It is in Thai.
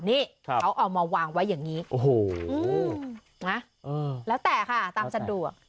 นี่ครับเขาออกมาวางไว้อย่างงี้โอ้โหอืมนะเออแล้วแต่ค่ะตามสัตว์ดูอ่ะ